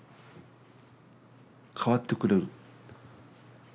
変わってくれる。